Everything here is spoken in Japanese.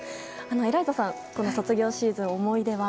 エライザさん卒業シーズン、思い出は？